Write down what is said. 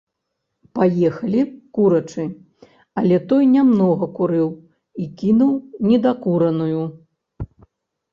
Паехалі, курачы, але той не многа курыў і кінуў недакураную.